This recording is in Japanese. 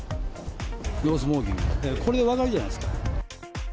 ノースモーキングって、これで分かるじゃないですか。